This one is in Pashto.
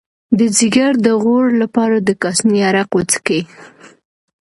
د ځیګر د غوړ لپاره د کاسني عرق وڅښئ